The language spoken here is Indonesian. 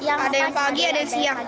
ada yang pagi ada yang siang